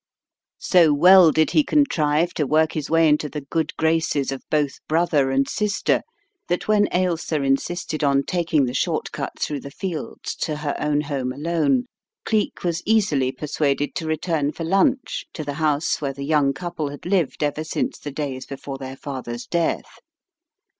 So well did he contrive to work his way into the good graces of both brother and sister that when Ailsa insisted on taking the short cut through the fields to her own home alone, Cleek was easily per suaded to return for lunch to the house where the young couple had lived ever since the days before their father's death.